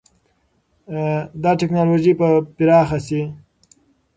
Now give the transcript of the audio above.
دا ټکنالوژي به پراخه شي.